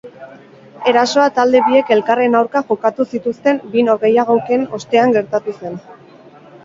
Erasoa talde biek elkarren aurka jokatu zituzten bi norgehiagoken ostean gertatu zen.